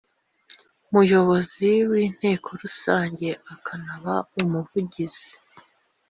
muyobozi w inteko rusange akanaba umuvugizi